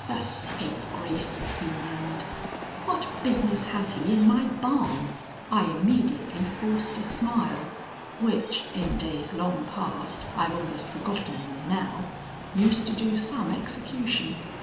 "The scapegrace!" he murmured. "What business has he in my barn?" I immediately forced a smile which, in days long past (I've almost forgotten them now), used to do some execution.